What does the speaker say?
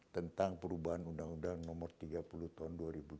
tentang perubahan undang undang nomor tiga puluh tahun dua ribu dua